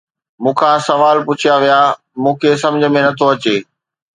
مون کان سوال پڇيا ويا، مون کي سمجھ ۾ نه ٿو اچي